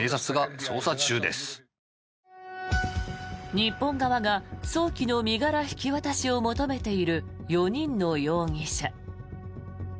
日本側が早期の身柄引き渡しを求めている４人の容疑者。